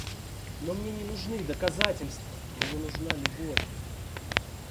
Но мне не нужны доказательства, мне нужна любовь.